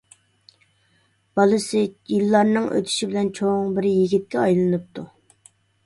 بالىسى يىللارنىڭ ئۆتۈشى بىلەن چوڭ بىر يىگىتكە ئايلىنىپتۇ.